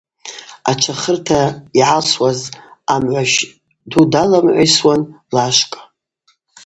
Ачвахырта йгӏалсуаз амгӏващ ду далагӏамгӏвайсуан лашвкӏ.